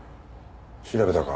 調べたか？